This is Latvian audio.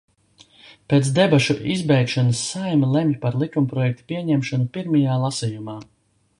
Pēc debašu izbeigšanas Saeima lemj par likumprojekta pieņemšanu pirmajā lasījumā.